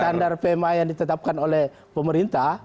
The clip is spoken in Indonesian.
standar pma yang ditetapkan oleh pemerintah